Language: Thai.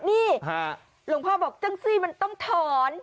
นี่หลวงพ่อบอกจังสิมันต้องถอน